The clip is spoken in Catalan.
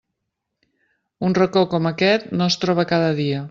Un racó com aquest no es troba cada dia.